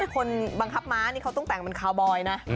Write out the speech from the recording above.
คนบังคับม้านี่เขาต้องแต่งเป็นคาวบอยนะ